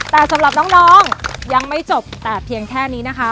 แต่สำหรับน้องยังไม่จบแต่เพียงแค่นี้นะคะ